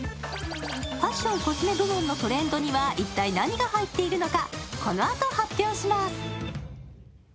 ファッション・コスメ部門のトレンドには一体何が入っているのか、このあと発表します。